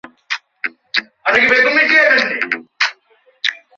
সেই প্রক্রিয়ার মধ্য দিয়ে আচ্ছাদিত ঘরের ভেতরে ডিসেম্বর মাসে ফলন হচ্ছে আমের।